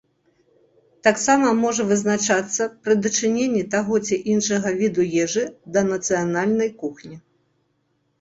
Таксама можа вызначацца пры дачыненні таго ці іншага віду ежы да нацыянальнай кухні.